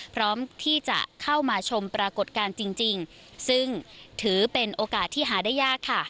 พร้อมที่จะเข้ามาชมปรากฏการณ์จริงซึ่งถือเป็นโอกาสที่หาได้ยากค่ะ